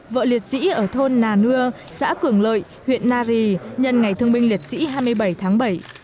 vợ liệt sĩ ở thôn nà nưa xã cường lợi huyện nari nhân ngày thương binh liệt sĩ hai mươi bảy tháng bảy